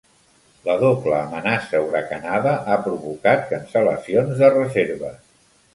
La doble amenaça huracanada ha provocat cancel·lacions de reserves.